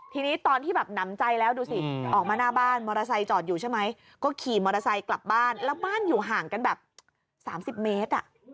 ทีนี้ตอนที่แบบหนำใจแล้วดูสิออกมาหน้าบ้านมอเตอร์ไซค์จอดอยู่ใช่ไหมก็ขี่มอเตอร์ไซค์กลับบ้านแล้วบ้านอยู่ห่างกันแบบ๓๐เมตร